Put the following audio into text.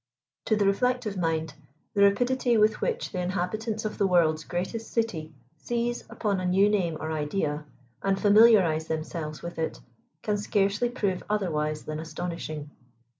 * To the reflective mind the rapidity with which the inhabitants of the world's greatest city seize upon a new name or idea, and familiarize themselves with it, can scarcely prove otherwise than astonishing.